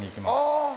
ああ。